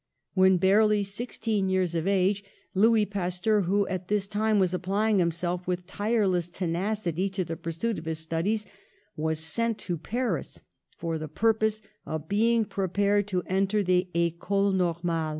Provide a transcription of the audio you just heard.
When barely sixteen years of age Louis Pas teur, who at this time was applying himself with tireless tenacity to the pursuit of his stud ies, was sent to Paris for the purpose of being prepared to enter the Ecole Normale.